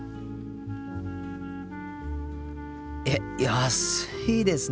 えっ安いですね。